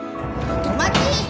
お待ち！